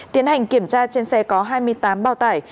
tiến hành kiểm tra trên xe có hai mươi tám bao tải